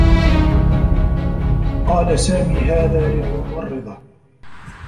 قال سامي هذا لممرّضة.